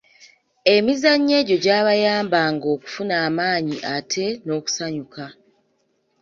Emizannyo egyo gyabayambanga okufuna amaanyi ate n’okusanyukaa.